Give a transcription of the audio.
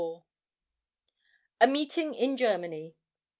A MEETING IN GERMANY.